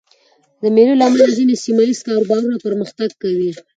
د مېلو له امله ځيني سیمه ییز کاروبارونه پرمختګ کوي.